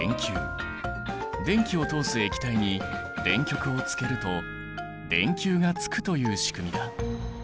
電気を通す液体に電極をつけると電球がつくという仕組みだ。